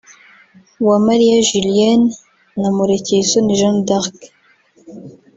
Uwamariya Julienne na Murekeyisoni Jeanne d’Arc